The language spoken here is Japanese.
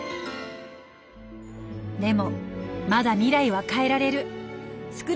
でもまだ未来は変えられる！